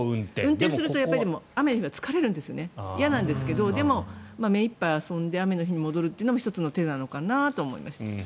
雨は疲れるんですよね嫌なんですけどでも、目いっぱい遊んで雨の日に戻るというのも１つの手なのかなと思いました。